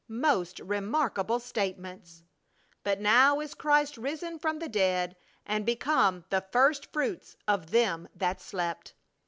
Most remarkable statements! "But now is Christ risen from the dead and become the first fruits of them that slept!"